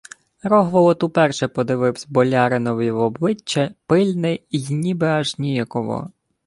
Рогволод уперше подививсь боляринові в обличчя пильне й ніби аж ніяково.